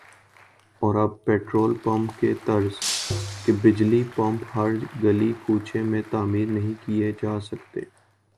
اور ابھی petrol pump کی طرز کے بجلی پمپ ہر گلی کوچے میں تعمیر نہیں کئے جاسکے